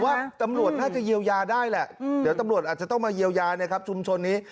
ว่าตำรวจน่าจะเยียวยาได้แหละเดี๋ยวตำรวจอาจจะต้องมาเยียวยานะครับชุมชนนี้